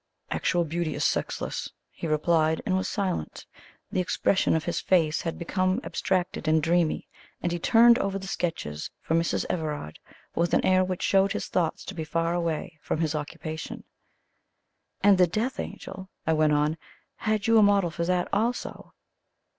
"Actual beauty is sexless," he replied, and was silent. The expression of his face had become abstracted and dreamy, and he turned over the sketches for Mrs. Everard with an air which showed his thoughts to be far away from his occupation. "And the Death Angel?" I went on. "Had you a model for that also?"